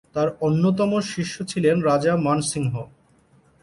তাঁর অন্যতম শিষ্য ছিলেন রাজা মানসিংহ।